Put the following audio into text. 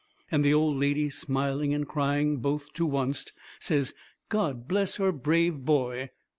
And the old lady, smiling and crying both to oncet, says, "God bless her brave boy."